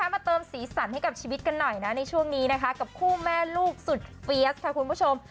มาเติมสีสันให้กับชีวิตกันหน่อยนะในช่วงนี้นะคะกับคู่แม่ลูกสุดเฟียสค่ะคุณผู้ชม